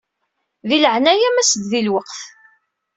Di leɛnaya-m as-d di lweqt.